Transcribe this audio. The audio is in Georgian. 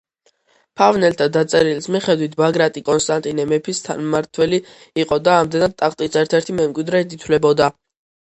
ფავნელთა „დაწერილის“ მიხედვით, ბაგრატი კონსტანტინე მეფის თანამმართველი იყო და, ამდენად, ტახტის ერთ-ერთ მემკვიდრედ ითვლებოდა.